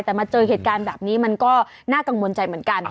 แต่มาเจอเหตุการณ์แบบนี้มันก็น่ากังวลใจเหมือนกัน